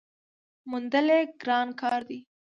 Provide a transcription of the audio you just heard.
موندل یې ګران کار دی .